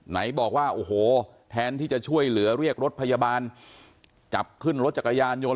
ไหนบอกว่าโอ้โหแทนที่จะช่วยเหลือเรียกรถพยาบาลจับขึ้นรถจักรยานยนต